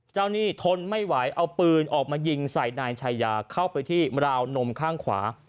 หนี้ทนไม่ไหวเอาปืนออกมายิงใส่นายชายาเข้าไปที่ราวนมข้างขวา